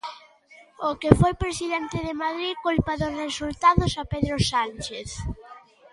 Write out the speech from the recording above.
O que foi presidente de Madrid culpa dos resultados a Pedro Sánchez.